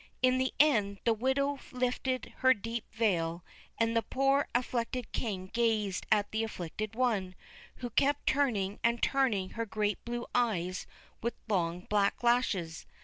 In the end the widow lifted her deep veil, and the poor afflicted King gazed at the afflicted one, who kept turning and turning her great blue eyes with long black lashes.